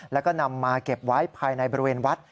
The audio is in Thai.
แล้วก็นำมาเก็บไว้ภายในบริเวณวัด